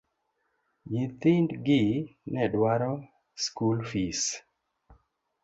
Nyithind gi ne dwaro skul fis.